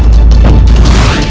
memang layak untuk mati